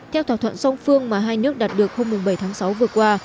theo thỏa thuận song phương mà hai nước đạt được hôm bảy tháng sáu vừa qua